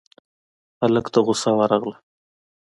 هلک ته غوسه ورغله: